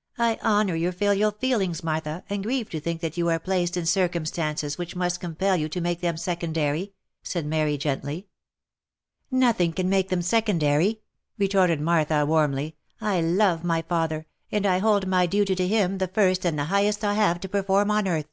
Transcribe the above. '* I honour your filial feelings, Martha, and grieve to think that you are placed in circumstances which must compel you to make them se condary," said Mary, gently, j " Nothing can make them secondary," retorted Martha, warmly, " I love my father, and I hold my duty to him the first and the highest I have to perform on earth."